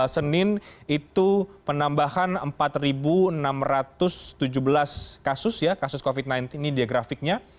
senin itu penambahan empat enam ratus tujuh belas kasus ya kasus covid sembilan belas ini dia grafiknya